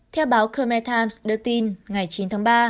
theo báo khmer times đưa tin ngày chín tháng ba